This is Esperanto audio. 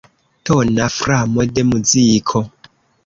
Tona framo de muziko.